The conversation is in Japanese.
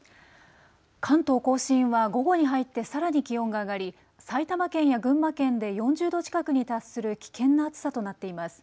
関東甲信は午後に入ってさらに気温が上がり埼玉県や群馬県で４０度近くに達する危険な暑さとなっています。